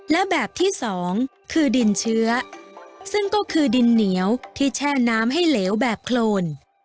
และแบบที่สองคือดินเชื้อซึ่งก็คือดินเหนียวที่แช่น้ำให้เหลวแบบโครน